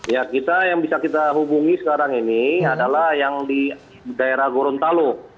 ya kita yang bisa kita hubungi sekarang ini adalah yang di daerah gorontalo